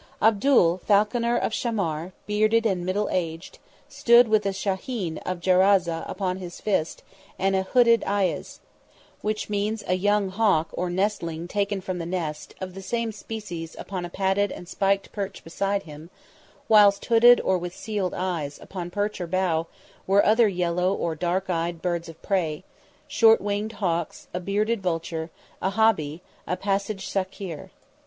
Abdul, falconer of Shammar, bearded and middle aged, stood with a shahin of Jaraza upon his fist and a hooded eyess which means a young hawk or nestling taken from the nest of the same species upon a padded and spiked perch beside him, whilst hooded or with seeled eyes, upon perch or bough, were other yellow or dark eyed birds of prey; short winged hawks, a bearded vulture, a hobby, a passage Saker.